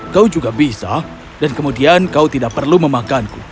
kau juga bisa dan kemudian kau tidak perlu memakanku